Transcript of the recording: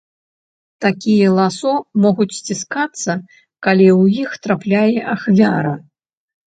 Такія ласо могуць сціскацца, калі ў іх трапляе ахвяра.